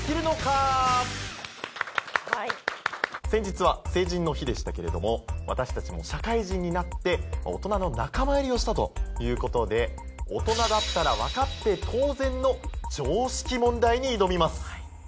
先日は成人の日でしたけれども私たちも社会人になって大人の仲間入りをしたということで大人だったら分かって当然の常識問題に挑みます。